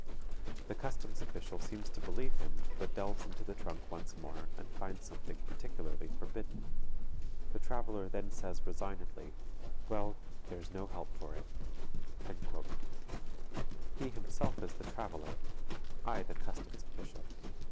The customs official seems to believe him but delves into the trunk once more and finds something particularly forbidden. The traveler then says resignedly, 'Well, there's no help for it.'_" He himself is the traveler, I the customs official.